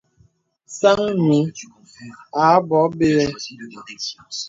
Sàŋ nyùŋ a bɔ̀ɔ̀ bə̀i.